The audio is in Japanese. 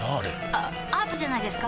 あアートじゃないですか？